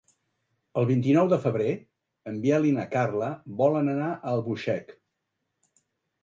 El vint-i-nou de febrer en Biel i na Carla volen anar a Albuixec.